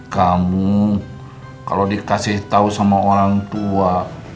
kamu kalau dikasih tahu sama orang tua